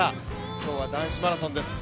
今日は男子マラソンです。